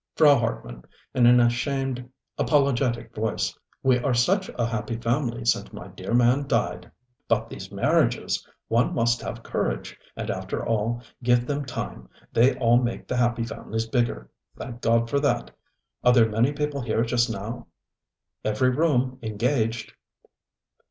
ŌĆØ Frau Hartmann, in an ashamed, apologetic voice: ŌĆ£We are such a happy family since my dear man died. ŌĆØ ŌĆ£But these marriagesŌĆöone must have courage; and after all, give them time, they all make the happy family biggerŌĆöthank God for that.... Are there many people here just now? ŌĆØ ŌĆ£Every room engaged.